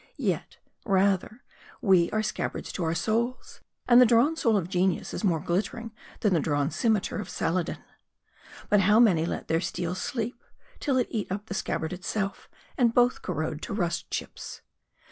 Yet, rather, are we scabbards to our souls. And the drawn soul of genius is more glittering than the drawn cimeter of Saladin. But how many let their steel sleep, till it eat up the scabbard itself, and both corrode to rust chips.